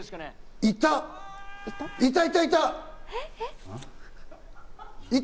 いた、いた、いた！